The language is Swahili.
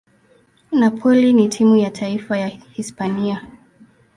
Napoli na timu ya taifa ya Hispania.